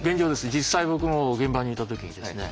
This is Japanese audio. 実際僕も現場にいた時にですね